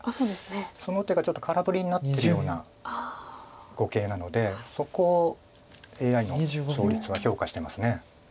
その手がちょっと空振りになってるような碁形なのでそこをＡＩの勝率は評価してます。